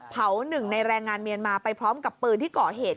หนึ่งในแรงงานเมียนมาไปพร้อมกับปืนที่ก่อเหตุ